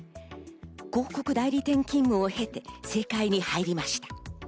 広告代理店勤務を経て、政界に入りました。